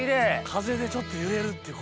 風でちょっと揺れるっていう。